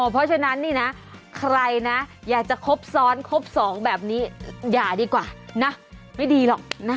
เพราะฉะนั้นนี่นะใครนะอยากจะครบซ้อนครบสองแบบนี้อย่าดีกว่านะไม่ดีหรอกนะ